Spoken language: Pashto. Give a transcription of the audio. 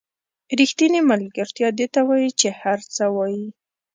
ریښتینې ملګرتیا دې ته وایي چې هر څه وایئ.